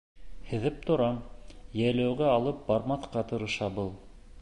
Һиҙеп торам, йәйләүгә алып бармаҫҡа тырыша был.